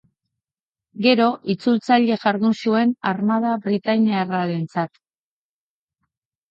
Gero, itzultzaile jardun zuen armada britainiarrarentzat.